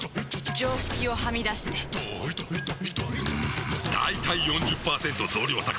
常識をはみ出してんだいたい ４０％ 増量作戦！